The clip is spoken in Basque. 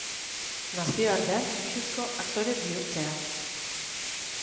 Nazioartean pisuzko aktore bihurtzea.